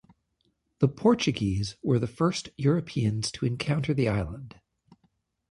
The Portuguese were the first Europeans to encounter the island.